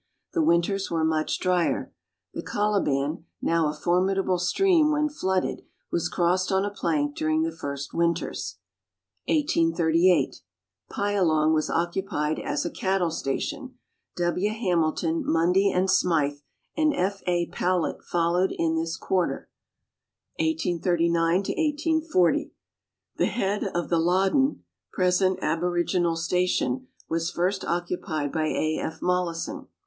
The winters were much drier. The Colibau, now a formidable stream when flooded, was crossed on a plank during the first winters. 1838. Pyalong was occupied as a cattle station. W. Hamil ton, Mundy & Smy the, and F. A. Powlett followed in this quarter. 1839 1840. The head of the Loddon present aboriginal station was first occupied by A. F. Mollison.